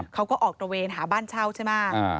เขาก็ออกตระเวนหาบ้านเช่าใช่ไหม